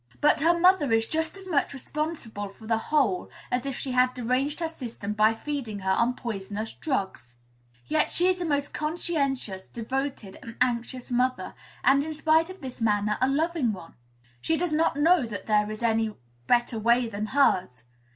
But her mother is just as much responsible for the whole as if she had deranged her system by feeding her on poisonous drugs. Yet she is a most conscientious, devoted, and anxious mother, and, in spite of this manner, a loving one. She does not know that there is any better way than hers.